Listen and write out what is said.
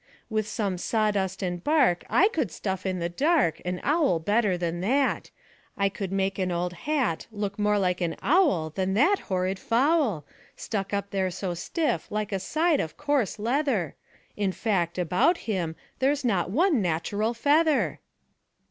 'With some sawdust and bark I could stuff in the dark An owl better than that. I could make an old hat Look more like an owl Than that horrid fowl, Stuck up there so stiff like a side of coarse leather. In fact, about him there's not one natural feather.'